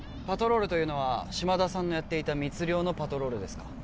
パトロールというのは島田さんのやっていた密漁のパトロールですか？